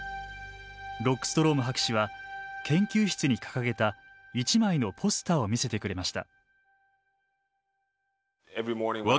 ロックストローム博士は研究室に掲げた１枚のポスターを見せてくれました。